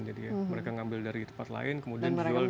jadi mereka ngambil dari tempat lain kemudian jual secara online